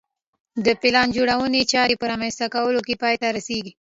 د پلان جوړونې چارې په رامنځته کولو پای ته رسېږي